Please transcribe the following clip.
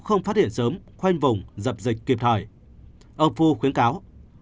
ông phu khuyến cáo